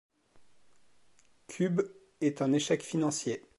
Qube est un échec financier.